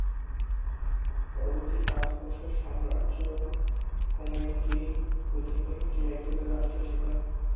পরবর্তী পাঁচ বছর সাম্রাজ্য কমিটির অধীন একটি একদলীয় রাষ্ট্র ছিল।